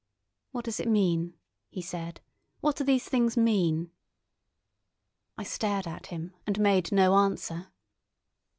"What does it mean?" he said. "What do these things mean?" I stared at him and made no answer.